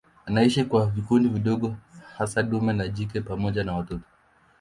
Anaishi kwa vikundi vidogo hasa dume na jike pamoja na watoto.